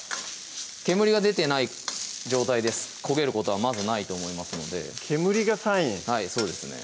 煙が出てない状態で焦げることはまずないと思いますので煙がサインはいそうですね